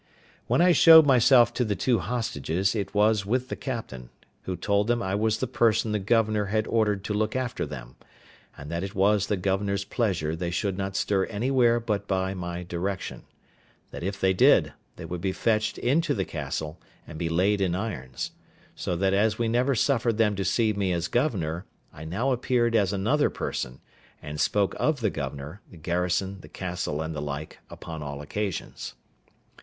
When I showed myself to the two hostages, it was with the captain, who told them I was the person the governor had ordered to look after them; and that it was the governor's pleasure they should not stir anywhere but by my direction; that if they did, they would be fetched into the castle, and be laid in irons: so that as we never suffered them to see me as governor, I now appeared as another person, and spoke of the governor, the garrison, the castle, and the like, upon all occasions.